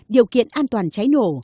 điều kiện an toàn cháy nổ